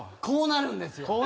こうなるんですよ。